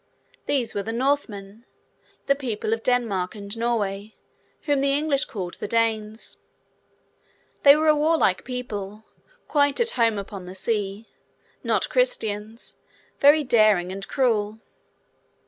These were the Northmen, the people of Denmark and Norway, whom the English called the Danes. They were a warlike people, quite at home upon the sea; not Christians; very daring and cruel.